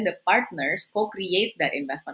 dan pasangan itu membuat pemerintah investasi